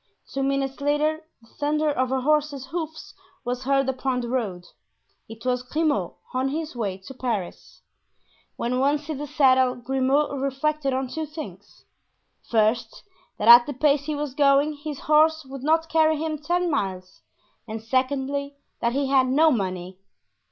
Two minutes later the thunder of a horse's hoofs was heard upon the road; it was Grimaud, on his way to Paris. When once in the saddle Grimaud reflected on two things; first, that at the pace he was going his horse would not carry him ten miles, and secondly, that he had no money.